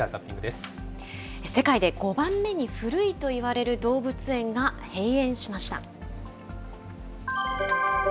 世界で５番目に古いと言われる動物園が閉園しました。